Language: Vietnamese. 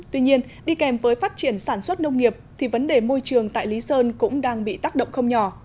tuy nhiên đi kèm với phát triển sản xuất nông nghiệp thì vấn đề môi trường tại lý sơn cũng đang bị tác động không nhỏ